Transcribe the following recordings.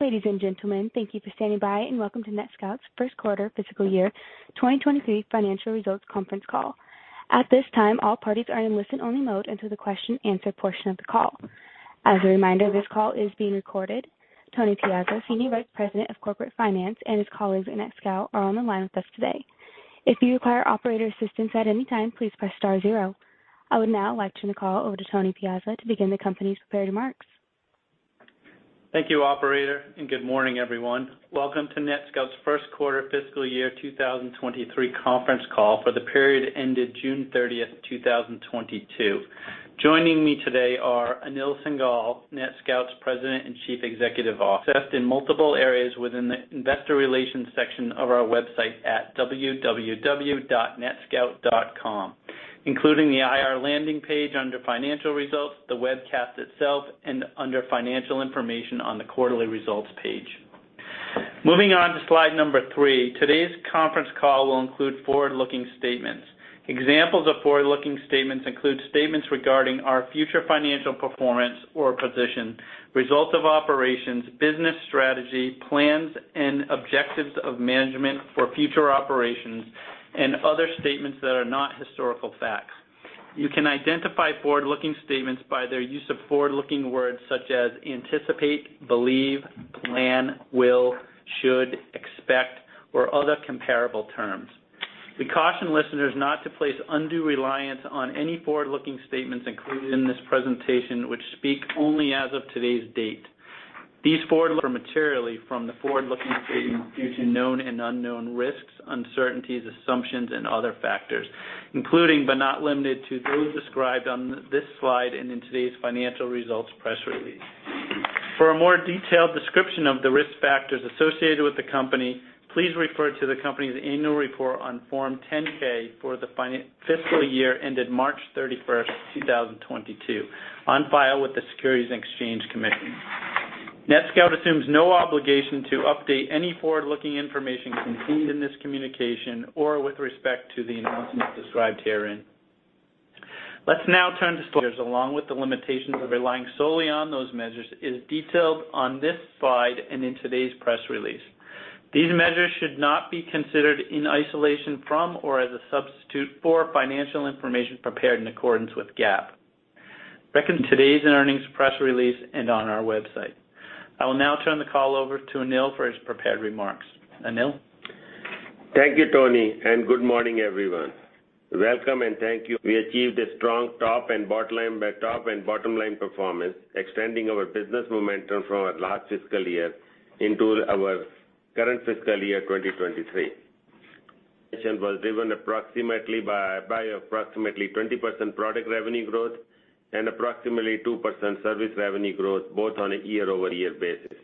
Ladies and gentlemen, thank you for standing by, and welcome to NetScout's first-quarter fiscal year 2023 financial results conference call. At this time, all parties are in listen-only mode until the question-answer portion of the call. As a reminder, this call is being recorded. Anthony Piazza, Senior Vice President of Corporate Finance, and his colleagues at NetScout are on the line with us today. If you require operator assistance at any time, please press star zero. I would now like to turn the call over to Anthony Piazza to begin the company's prepared remarks. Thank you, operator, and good morning, everyone. Welcome to NetScout's first quarter fiscal year 2023 conference call for the period ended June 30, 2022. Joining me today are Anil Singhal, NetScout's President and Chief Executive Officer. In multiple areas within the investor relations section of our website at www.netscout.com, including the IR landing page under Financial Results, the webcast itself, and under Financial Information on the quarterly results page. Moving on to slide number 3. Today's conference call will include forward-looking statements. Examples of forward-looking statements include statements regarding our future financial performance or position, results of operations, business strategy, plans and objectives of management for future operations, and other statements that are not historical facts. You can identify forward-looking statements by their use of forward-looking words such as anticipate, believe, plan, will, should, expect, or other comparable terms. We caution listeners not to place undue reliance on any forward-looking statements included in this presentation, which speak only as of today's date. These forward-looking statements are subject to known and unknown risks, uncertainties, assumptions, and other factors, including but not limited to those described on this slide and in today's financial results press release. For a more detailed description of the risk factors associated with the company, please refer to the company's annual report on Form 10-K for the fiscal year ended March 31, 2022, on file with the Securities and Exchange Commission. NetScout assumes no obligation to update any forward-looking information contained in this communication or with respect to the announcements described herein. The limitations of relying solely on those measures are detailed on this slide and in today's press release. These measures should not be considered in isolation from or as a substitute for financial information prepared in accordance with GAAP. Today's earnings press release is available on our website. I will now turn the call over to Anil for his prepared remarks. Anil? Thank you, Tony, and good morning, everyone. Welcome and thank you. We achieved a strong top-and bottom-line performance, extending our business momentum from our last fiscal year into our current fiscal year, 2023, was driven approximately by 20% product revenue growth and approximately 2% service revenue growth, both on a year-over-year basis.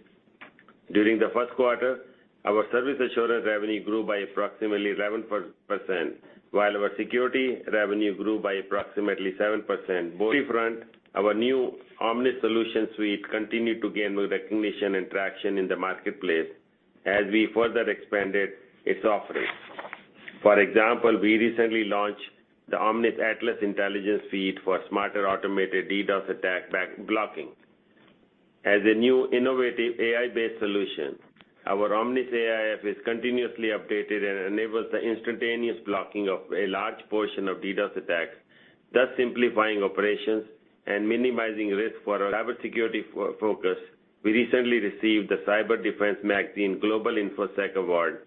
During the first quarter, our service assurance revenue grew by approximately 11%, while our security revenue grew by approximately 7%. Our new Omnis solution suite continued to gain more recognition and traction in the marketplace as we further expanded its offerings. For example, we recently launched the Omnis ATLAS Intelligence Feed for smarter automated DDoS attack blocking. As a new innovative AI-based solution, our Omnis AIF is continuously updated and enables the instantaneous blocking of a large portion of DDoS attacks, thus simplifying operations and minimizing risk for our cybersecurity focus. We recently received the Cyber Defense Magazine Global InfoSec Award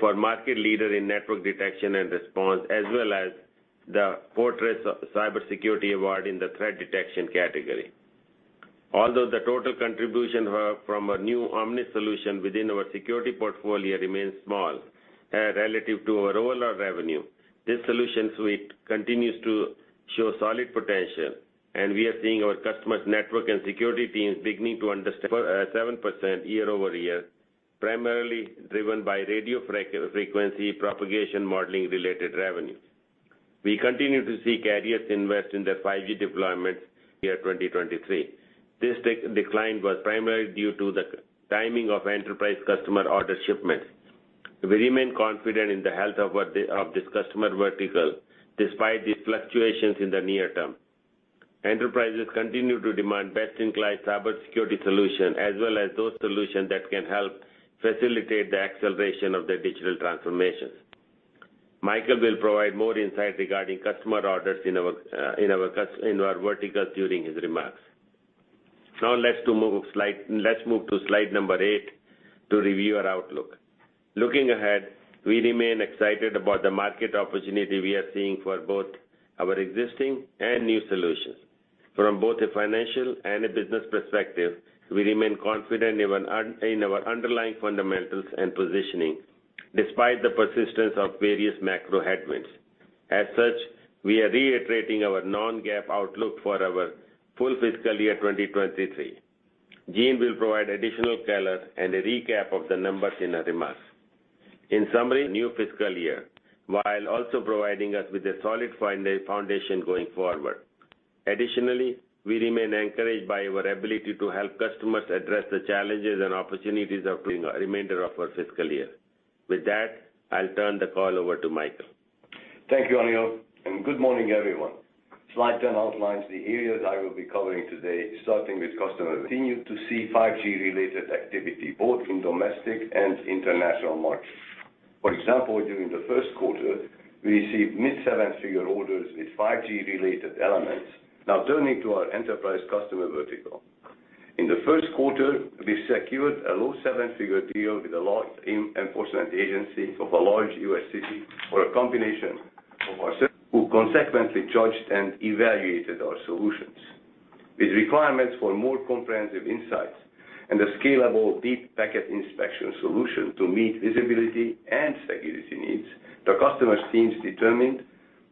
for market leader in network detection and response, as well as the Fortress Cybersecurity Award in the threat detection category. Although the total contribution from our new Omnis solution within our security portfolio remains small, relative to our overall revenue, this solution suite continues to show solid potential, and we are seeing our customers' network and security teams beginning to understand. For 7% year-over-year, primarily driven by radio frequency propagation modeling-related revenues. We continue to see carriers invest in their 5G deployments in 2023. This decline was primarily due to the timing of enterprise customer order shipments. We remain confident in the health of this customer vertical despite these fluctuations in the near term. Enterprises continue to demand best-in-class cybersecurity solution as well as those solutions that can help facilitate the acceleration of their digital transformations. Michael will provide more insight regarding customer orders in our verticals during his remarks. Now let's move to slide number 8 to review our outlook. Looking ahead, we remain excited about the market opportunity we are seeing for both our existing and new solutions. From both a financial and a business perspective, we remain confident in our underlying fundamentals and positioning, despite the persistence of various macro headwinds. As such, we are reiterating our non-GAAP outlook for our full fiscal year 2023. Jen will provide additional color and a recap of the numbers in his remarks. In summary, new fiscal year is also providing us with a solid foundation going forward. Additionally, we remain encouraged by our ability to help customers address the challenges and opportunities during the remainder of our fiscal year. With that, I'll turn the call over to Michael. Thank you, Anil, and good morning, everyone. Slide 10 outlines the areas I will be covering today, starting with customers. Continue to see 5G-related activity, both in domestic and international markets. For example, during the first quarter, we received mid-seven-figure orders with 5G-related elements. Now turning to our enterprise customer vertical. In the first quarter, we secured a low seven-figure deal with a law enforcement agency of a large U.S. city for a combination of our solutions. With requirements for more comprehensive insights and a scalable deep packet inspection solution to meet visibility and security needs, the customer's teams determined.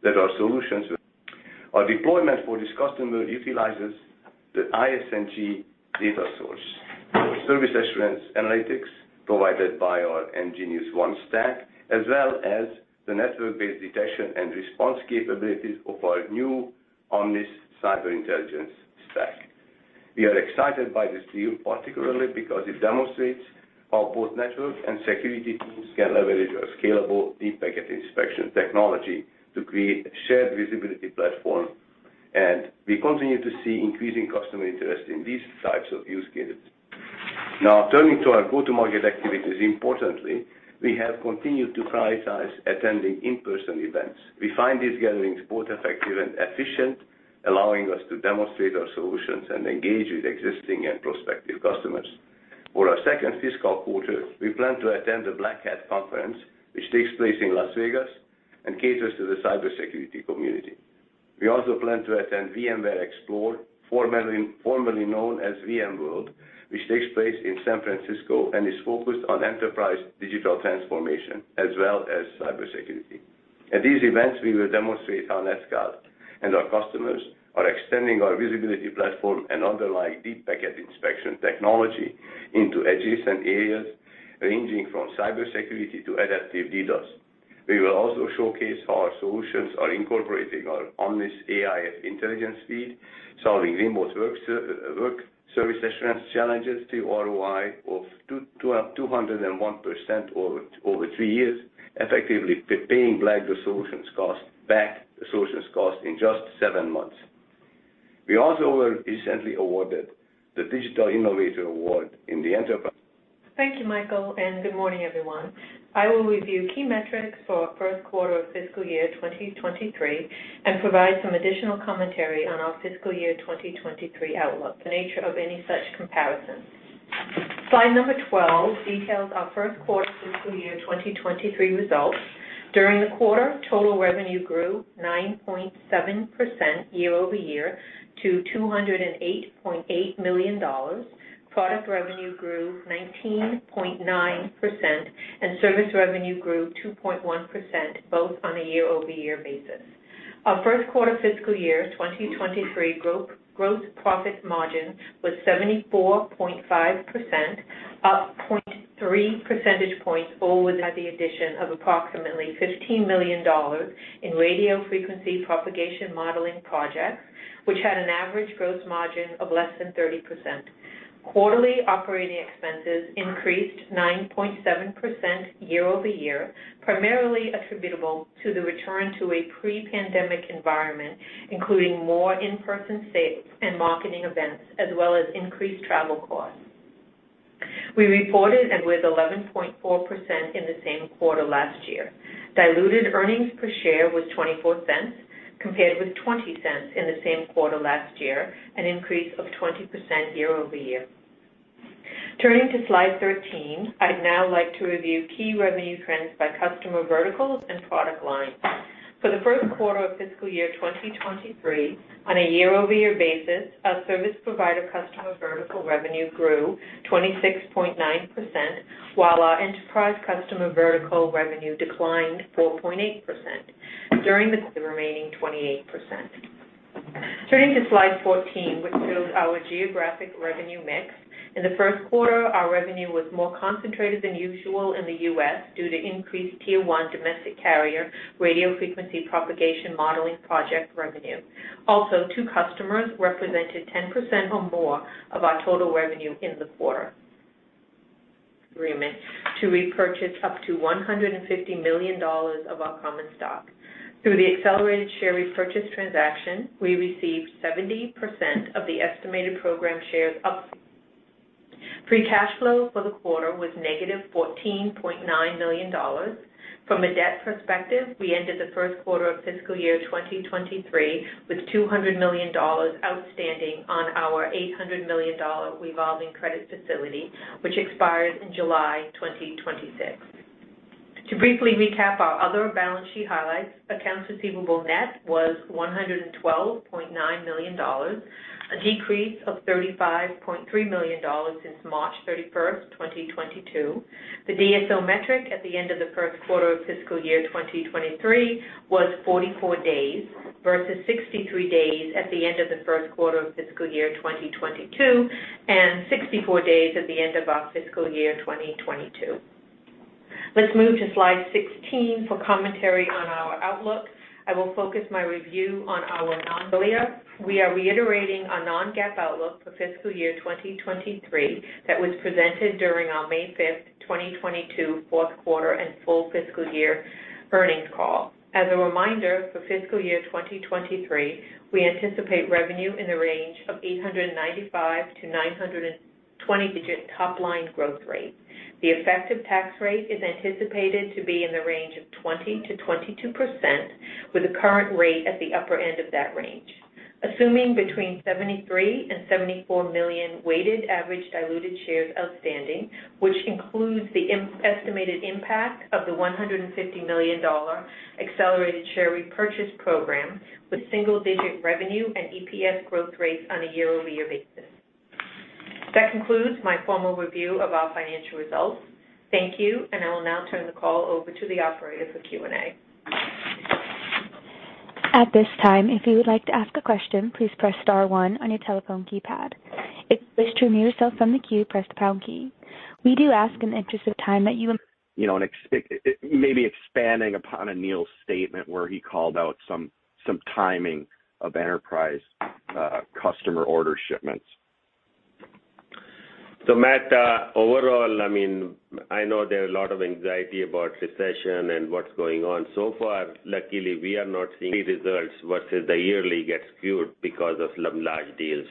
Our deployment for this customer utilizes the InfiniStreamNG data source, service assurance analytics provided by our nGeniusONE stack, as well as the network-based detection and response capabilities of our new Omnis Cyber Intelligence stack. We are excited by this deal, particularly because it demonstrates how both network and security teams can leverage our scalable deep packet inspection technology to create a shared visibility platform, and we continue to see increasing customer interest in these types of use cases. Now turning to our go-to-market activities, importantly, we have continued to prioritize attending in-person events. We find these gatherings both effective and efficient, allowing us to demonstrate our solutions and engage with existing and prospective customers. For our second fiscal quarter, we plan to attend the Black Hat Conference, which takes place in Las Vegas and caters to the cybersecurity community. We also plan to attend VMware Explore, formerly known as VMworld, which takes place in San Francisco and is focused on enterprise digital transformation as well as cybersecurity. At these events, we will demonstrate our NetScout and our customers are extending our visibility platform and underlying deep packet inspection technology into adjacent areas ranging from cybersecurity to adaptive DDoS. We will also showcase how our solutions are incorporating our Omnis AIF intelligence feed, solving remote work service assurance challenges to ROI of 201% over three years, effectively paying back the solutions cost in just seven months. We also were recently awarded the Intellyx Digital Innovator Award in the Enterprise- Thank you, Michael, and good morning, everyone. I will review key metrics for our first-quarter of fiscal year 2023 and provide some additional commentary on our fiscal year 2023 outlook. Slide 12 details our first-quarter fiscal year 2023 results. During the quarter, total revenue grew 9.7% year-over-year to $208.8 million. Product revenue grew 19.9%, and service revenue grew 2.1%, both on a year-over-year basis. Our first quarter fiscal year 2023 growth profit margin was 74.5%, up 0.3 percentage points over the addition of approximately $15 million in radio-frequency propagation modeling projects, which had an average gross margin of less than 30%. Quarterly operating expenses increased 9.7% year over year, primarily attributable to the return to a pre-pandemic environment, including more in-person sales and marketing events, as well as increased travel costs. We reported a net income of $8.4 million for the quarter, compared with $11.4 million in the same quarter last year. Diluted earnings per share was $0.24, compared with $0.20 in the same quarter last year, an increase of 20% year over year. Turning to slide 13, I'd now like to review key revenue trends by customer verticals and product lines. For the first quarter of fiscal year 2023, on a year-over-year basis, our service provider customer vertical revenue grew 26.9%, while our enterprise customer vertical revenue declined 4.8%. During the remaining 28%. Turning to slide 14, which shows our geographic revenue mix. In the first quarter, our revenue was more concentrated than usual in the U.S. due to increased tier-one domestic carrier radio frequency propagation modeling project revenue. Also, two customers represented 10% or more of our total revenue in the quarter. Agreement to repurchase up to $150 million of our common stock. Through the accelerated share repurchase transaction, we received 70% of the estimated program shares upfront. Free cash flow for the quarter was negative $14.9 million. From a debt perspective, we ended the first quarter of fiscal year 2023 with $200 million outstanding on our $800 million revolving credit facility, which expires in July 2026. To briefly recap our other balance sheet highlights, accounts receivable, net, was $112.9 million, a decrease of $35.3 million since March 31, 2022. The DSO (days sales outstanding) metric at the end of the first-quarter of fiscal year 2023 was 44 days versus 63 days at the end of the first quarter of fiscal year 2022 and 64 days at the end of our fiscal year 2022. Let's move to slide 16 for commentary on our outlook. We are reiterating our non-GAAP outlook for fiscal year 2023 that was presented during our May 5, 2022 fourth-quarter and full fiscal year earnings call. As a reminder, for fiscal year 2023, we anticipate revenue in the range of $895 million to $920 million with single-digit top-line growth rate. The effective tax rate is anticipated to be in the range of 20% to 22% with the current rate at the upper end of that range. Assuming between 73 million and 74 million weighted average diluted shares outstanding, which includes the estimated impact of the $150 million accelerated share repurchase program with single-digit revenue and EPS growth rates on a year-over-year basis. That concludes my formal review of our financial results. Thank you, and I will now turn the call over to the operator for Q&A. At this time, if you would like to ask a question, please press star one on your telephone keypad. If you wish to remove yourself from the queue, press pound key. We do ask in the interest of time that you. You know, maybe expanding upon Anil's statement where he called out some timing of enterprise customer order shipments. Matt, overall, I mean, I know there are a lot of anxiety about recession and what's going on. So far, luckily, we are not seeing results versus the yearly gets skewed because of large deals.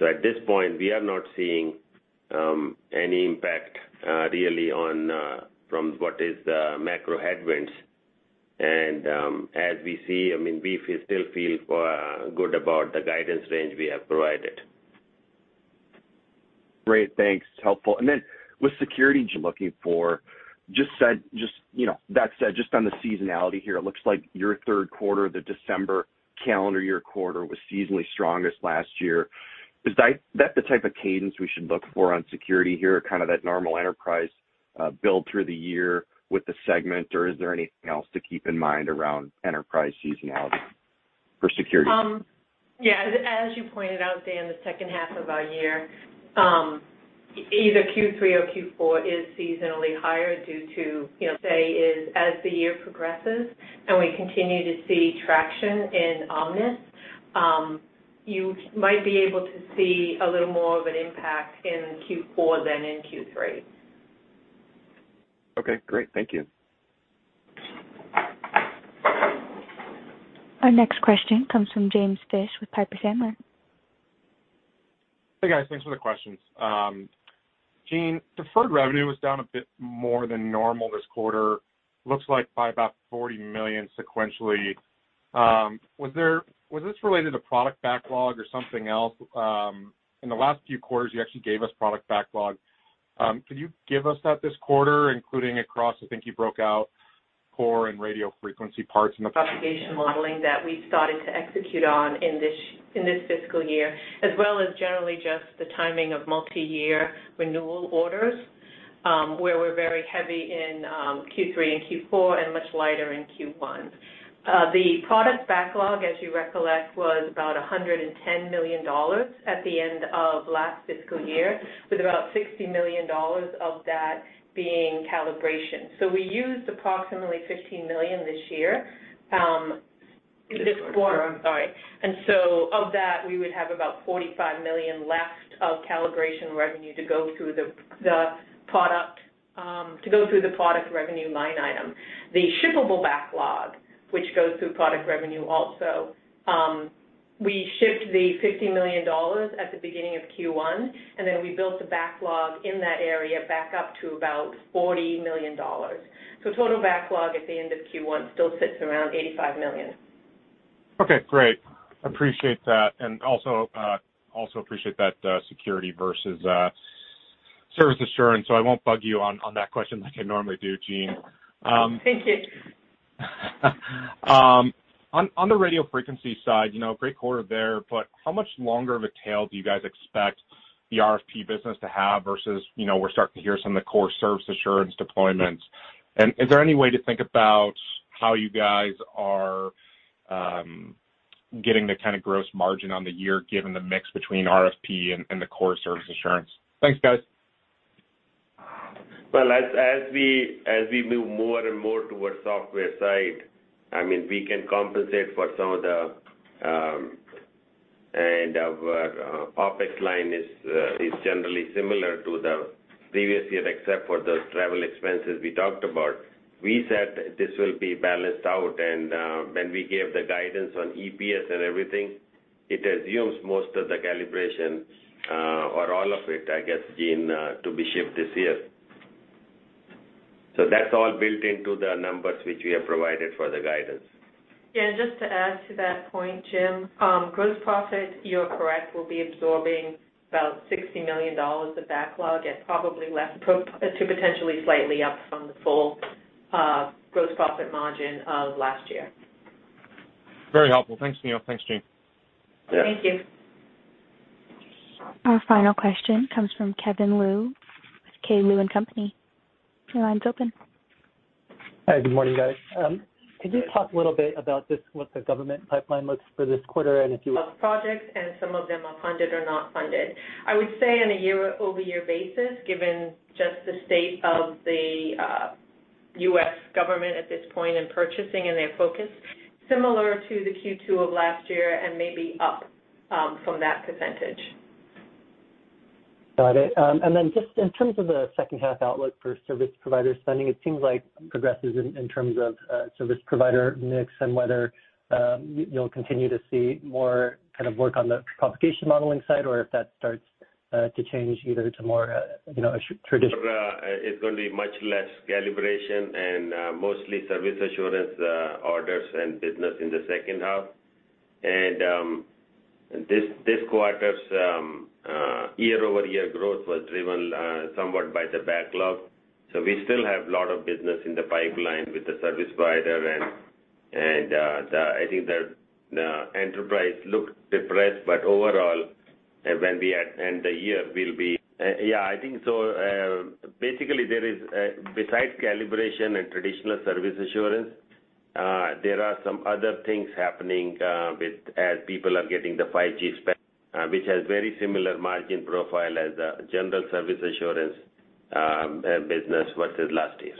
At this point, we are not seeing any impact really on from what is the macroeconomic headwinds. As we see, I mean, we still feel good about the guidance range we have provided. Great. Thanks. Helpful. Then, regarding security, just on the seasonality, it looks like your third quarter, the December calendar year quarter was seasonally strongest last year. Is that the type of cadence we should look for on security here, kind of that normal enterprise build through the year with the segment, or is there anything else to keep in mind around enterprise seasonality for security? Yeah. As you pointed out, Dan, the second half of our year, either Q3 or Q4, is seasonally higher due to, you know, as the year progresses and we continue to see traction in Omnis, you might be able to see a little more of an impact in Q4 than in Q3. Okay, great. Thank you. Our next question comes from James Fish with Piper Sandler. Hey, guys. Thanks for the questions. Jean, deferred revenue was down a bit more than normal this quarter. Looks like by about $40 million sequentially. Was this related to product backlog or something else? In the last few quarters, you actually gave us product backlog. Could you give us that this quarter, including across, I think you broke out core and radio frequency parts in the- Propagation modeling that we started to execute on in this fiscal year, as well as generally just the timing of multiyear renewal orders, where we're very heavy in Q3 and Q4 and much lighter in Q1. The product backlog, as you recollect, was about $110 million at the end of last fiscal year, with about $60 million of that being calibration. So we used approximately $15 million this year, this quarter, I'm sorry. Of that, we would have about $45 million left of calibration revenue to go through the product revenue line item. The shippable backlog, which goes through product revenue also, we shipped the $50 million at the beginning of Q1, and then we built the backlog in that area back up to about $40 million. Total backlog at the end of Q1 still sits around $85 million. Okay, great. Appreciate that. Also appreciate that, security versus service assurance. I won't bug you on that question like I normally do, Jean. Thank you. On the radio-frequency side, you know, great quarter there, but how much longer of a tail do you guys expect the RFP business to have? We're starting to hear some of the core service assurance deployments. Is there any way to think about how you guys are getting the kinda gross margin on the year given the mix between RFP and the core service assurance? Thanks, guys. As we move more and more towards software side, we can compensate for some of the. Our OpEx line is generally similar to the previous year, except for the travel expenses we talked about. We said this will be balanced out. When we gave the guidance on EPS and everything, it assumes most of the calibration, or all of it, I guess, Jean, to be shipped this year. That's all built into the numbers which we have provided for the guidance. Yeah, just to add to that point, Jim, gross profit, you're correct, will be absorbing about $60 million of backlog at probably less to potentially slightly up from the full gross profit margin of last year. Very helpful. Thanks, Anil. Thanks, Gene. Yeah. Thank you. Our final question comes from Kevin Liu with K. Liu & Company. Your line's open. Hi. Good morning, guys. Could you talk a little bit about just what the government pipeline looks for this quarter and if you- Of projects, and some of them are funded or not funded. I would say on a year-over-year basis, given just the state of the U.S. government at this point in purchasing and their focus, similar to the Q2 of last year and maybe up from that percentage. Got it. Just in terms of the second half outlook for service provider spending, it seems like in terms of service provider mix and whether you'll continue to see more kind of work on the propagation modeling side or if that starts to change either to more, you know, a traditional. It's gonna be much less calibration and mostly service assurance orders and business in the second half. This quarter's year-over-year growth was driven somewhat by the backlog. We still have a lot of business in the pipeline with the service provider and the enterprise looks depressed. Overall, when we end the year, I think so. Basically, there is besides calibration and traditional service assurance, there are some other things happening with as people are getting the 5G spend, which has very similar margin profile as the general service assurance business versus last year.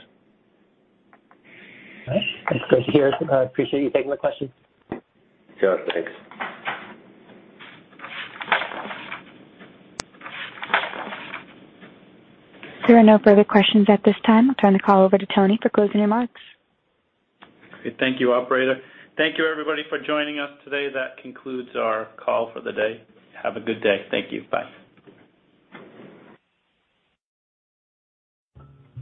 All right. That's good to hear. I appreciate you taking my question. Sure. Thanks. There are no further questions at this time. I'll turn the call over to Tony for closing remarks. Okay. Thank you, operator. Thank you everybody for joining us today. That concludes our call for the day. Have a good day. Thank you. Bye.